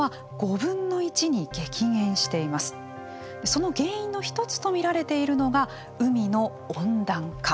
その原因の一つと見られているのが海の温暖化。